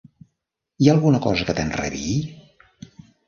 Hi ha alguna cosa que t'enrabii?